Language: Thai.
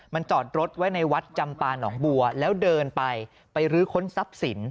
มันจอดรถไว้ในวัดจำปาหนองบัวแล้วเดินไปไปรื้อค้นทรัพย์สิน